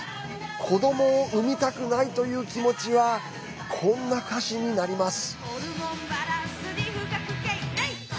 子どもを産みたくないという気持ちは、こんな歌詞になります。